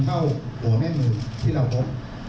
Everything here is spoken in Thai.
เท่าหัวแม่มือที่เราพบ